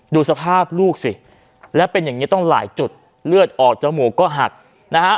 ดูสภาพลูกสิและเป็นอย่างนี้ต้องหลายจุดเลือดออกจมูกก็หักนะฮะ